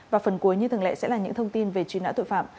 và phần cuối như thường lệ sẽ là những thông tin về truy nã tội phạm